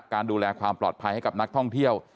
การดูแลความปลอดภัยให้กับนักท่องเที่ยว